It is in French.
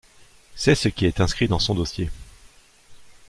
C'est ce qui est inscrit dans son dossier.